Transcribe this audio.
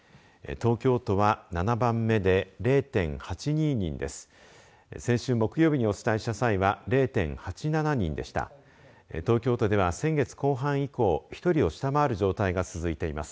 東京都は７番目で０．８２人です。